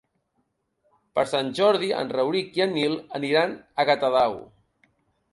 Per Sant Jordi en Rauric i en Nil aniran a Catadau.